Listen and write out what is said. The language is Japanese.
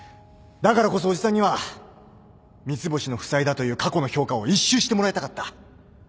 だからこそ叔父さんには三ツ星の負債だという過去の評価を一蹴してもらいたかった。